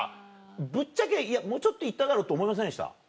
ぶっちゃけいやもうちょっと行っただろと思いませんでした？